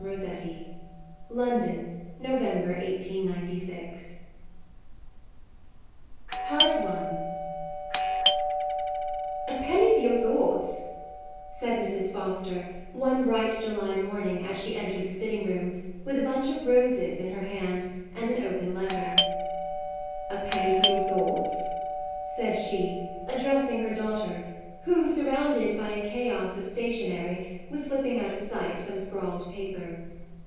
ROSSETTI. LONDON, November, 1896. Maude A Part I I A PENNY for your thoughts, " said Mrs. Foster, one bright July morning, as she entered the sitting room, with a bunch of roses in her hand, and an open letter :" A penny for your thoughts," said she, addressing her daughter, who, sur rounded by a chaos of stationery, was slipping out of sight some scrawled paper.